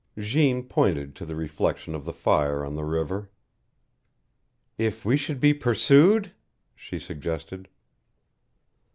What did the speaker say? Jeanne pointed to the reflection of the fire on the river. "If we should be pursued?" she suggested.